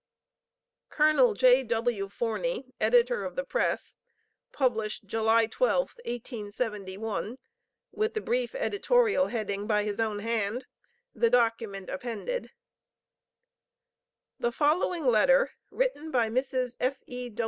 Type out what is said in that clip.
Col. J.W. Forney, editor of "The Press," published July 12, 1871, with the brief editorial heading by his own hand, the document appended: The following letter, written by Mrs. F.E.